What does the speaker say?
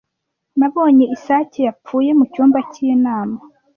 Nabonye isake yapfuye mucyumba cy'inama.